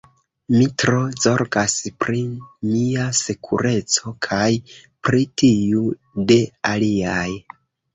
Mi tro zorgas pri mia sekureco kaj pri tiu de aliaj.